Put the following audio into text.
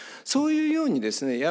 そういうようにですね